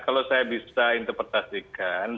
kalau saya bisa interpretasikan